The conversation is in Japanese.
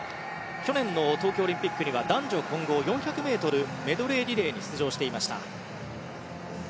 去年の東京オリンピックでは男女混合４００ｍメドレーリレーに出場していました。